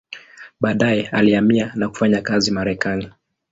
Baadaye alihamia na kufanya kazi Marekani.